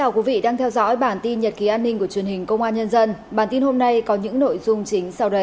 cảm ơn các bạn đã theo dõi